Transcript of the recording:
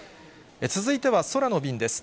続いては空の便です。